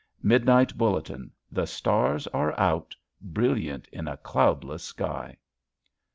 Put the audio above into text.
Midnight Bulletin: the stars are out, brilliant in a cloudless sky!